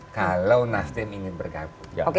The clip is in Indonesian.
kalau nasdem ingin bergabung